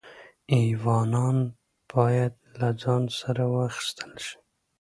ایوانان باید له ځان سره واخیستل شي.